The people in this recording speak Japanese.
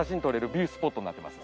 ビュースポットになってます。